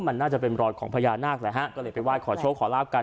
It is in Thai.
มันน่าจะเป็นรอยของพญานาคแหละฮะก็เลยไปไห้ขอโชคขอลาบกัน